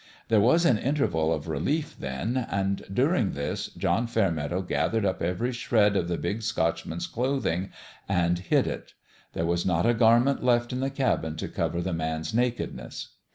There was an interval of relief, then, and during this John Fairmeadow gathered up every shred of the Big Scotchman's clothing and 218 ON THE GRADE hid it. There was not a garment left in the cabin to cover the man's nakedness.